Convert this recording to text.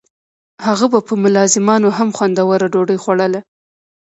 هغه به په ملازمانو هم خوندوره ډوډۍ خوړوله.